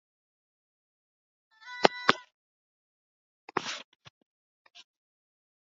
nchini Uturuki zina fanicha za mtindo wa Uropa ingawa familia